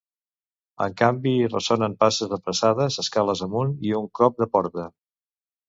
En canvi, hi ressonen passes apressades escales amunt i un cop de porta.